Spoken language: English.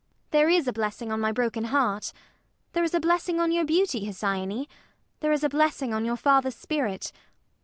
There is a blessing on my broken heart. There is a blessing on your beauty, Hesione. There is a blessing on your father's spirit.